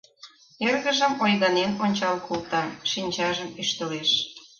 Эргыжым ойганен ончал колта, шинчажым ӱштылеш.